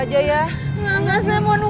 jadi suami karun